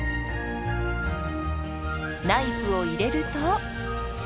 ナイフを入れると。